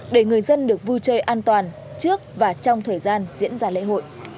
để người dân được vui chơi an toàn trước và trong thời gian diễn ra lễ hội